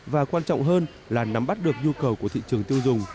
và quan trọng hơn là nắm bắt được nhu cầu của thị trường tiêu dùng